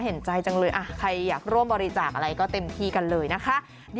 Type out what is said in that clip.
เห็นใจจังเลยใครอยากร่วมบริจาคอะไรก็เต็มที่กันเลยนะคะ